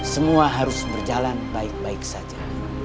semua harus berjalan baik baik saja